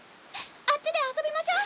あっちで遊びましょう。